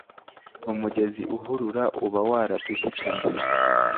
umugezi uhurura uba waraduhitanye